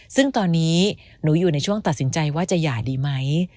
ซึ่งตอนนี้หนูอยู่ในช่วงตัดสินใจว่าจะหย่าดีไหม